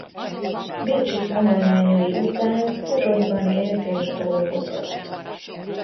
Bécsi tanulmányai után Pozsonyban élt és dolgozott.